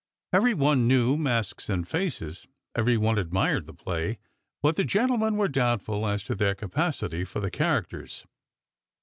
Every one knew Masks and Faces, every one admired the play ; but the gentlemen were doubtful as to their capacity for the characters.